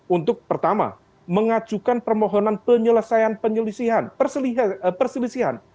untuk pertama mengajukan permohonan penyelesaian penyelisihan perselisihan